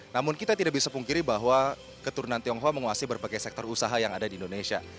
namun kita tidak bisa pungkiri bahwa keturunan tionghoa menguasai berbagai sektor usaha yang ada di indonesia